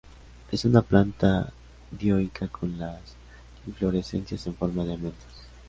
Es una planta dioica con las inflorescencias en forma de amentos.